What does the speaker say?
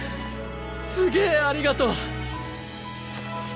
すげえありがとう！